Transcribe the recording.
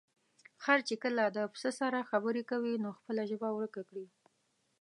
خر چې کله د پسه سره خبرې کوي، نو خپله ژبه ورکه کړي.